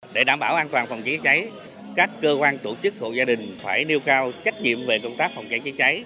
để đảm bảo an toàn phòng chống cháy cháy các cơ quan tổ chức hộ gia đình phải nêu cao trách nhiệm về công tác phòng chống cháy cháy